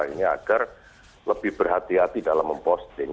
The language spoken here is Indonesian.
ini agar lebih berhati hati dalam memposting